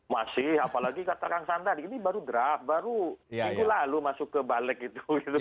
masih apalagi kata kang saan tadi ini baru draft baru minggu lalu masuk ke balik itu